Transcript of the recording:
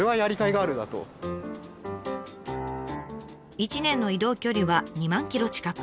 １年の移動距離は２万ｋｍ近く。